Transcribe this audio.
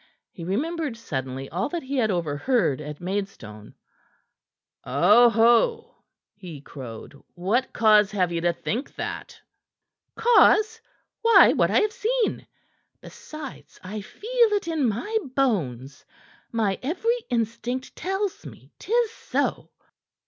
He remembered suddenly all that he had overheard at Maidstone. "Oho!" he crowed. "What cause have ye to think that?" "Cause? Why, what I have seen. Besides, I feel it in my bones. My every instinct tells me 'tis so."